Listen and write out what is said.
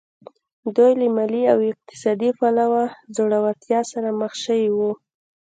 دوی له مالي او اقتصادي پلوه ځوړتیا سره مخ شوي وو